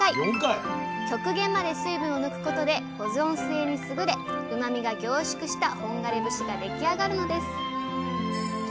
極限まで水分を抜くことで保存性に優れうまみが凝縮した本枯節が出来上がるのです